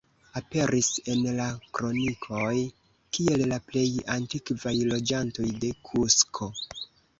Aperis en la kronikoj kiel la plej antikvaj loĝantoj de Kusko.